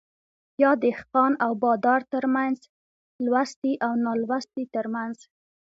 يا دهقان او بادار ترمنځ ،لوستي او نالوستي ترمنځ